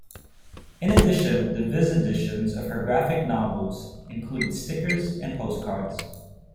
In addition, the Viz editions of her graphic novels include stickers and postcards.